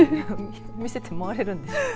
見せて回れるんでしょうか。